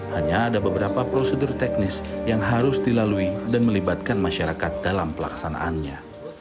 hanya ada beberapa prosedur teknis yang harus dilalui dan melibatkan masyarakat dalam pelaksanaannya